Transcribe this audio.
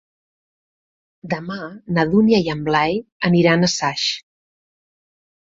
Demà na Dúnia i en Blai aniran a Saix.